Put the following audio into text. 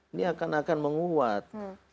ini akan menguat